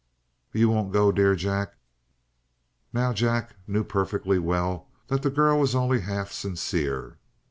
"You won't go, dear Jack?" Now, Jack knew perfectly well that the girl was only half sincere.